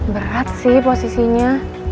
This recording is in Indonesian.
berat sih posisinya